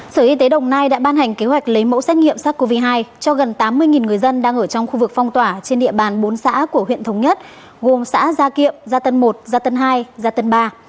sở y tế đồng nai đã ban hành kế hoạch lấy mẫu xét nghiệm sars cov hai cho gần tám mươi người dân đang ở trong khu vực phong tỏa trên địa bàn bốn xã của huyện thống nhất gồm xã gia kiệm gia tân một gia tân hai gia tân ba